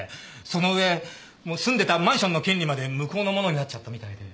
そのうえ住んでたマンションの権利まで向こうのものになっちゃったみたいで。